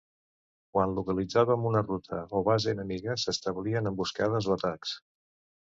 Quan localitzaven una ruta o base enemiga s'establien emboscades o atacs.